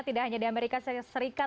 tidak hanya di amerika serikat